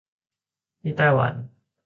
ที่ไต้หวัน